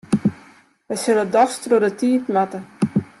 Wy sille dochs troch de tiid moatte.